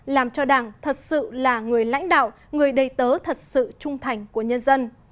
làm cho đảng thật sự là người lãnh đạo người đầy tớ thật sự trung thành của nhân dân